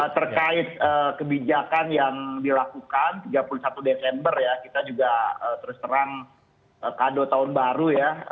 terkait kebijakan yang dilakukan tiga puluh satu desember ya kita juga terus terang kado tahun baru ya